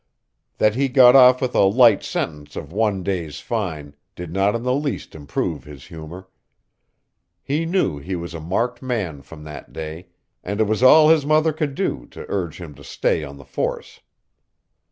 That he got off with a light sentence of one day's fine did not in the least improve his humor. He knew he was a marked man from that day, and it was all his mother could do to urge him to stay on the force.